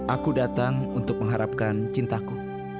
aku datang untuk mengharapkan cintaku